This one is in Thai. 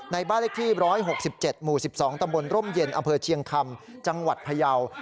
บ้านเลขที่๑๖๗หมู่๑๒ตำบลร่มเย็นอำเภอเชียงคำจังหวัดพยาว